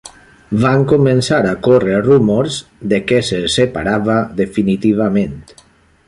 Van començar a córrer rumors de què se separava definitivament.